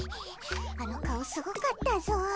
あの顔すごかったぞ。